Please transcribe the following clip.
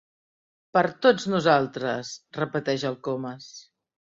Per tots nosaltres! —repeteix el Comas.